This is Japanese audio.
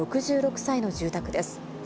６６歳の住宅です。